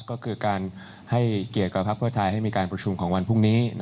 ก็คือการให้เกียรติกับภาคเพื่อไทยให้มีการประชุมของวันพรุ่งนี้